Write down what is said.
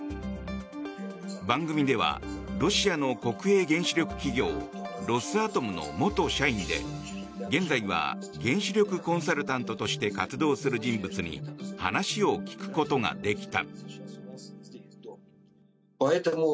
番組ではロシアの国営原子力企業ロスアトムの元社員で現在は原子力コンサルタントとして活動する人物に話を聞くことができた。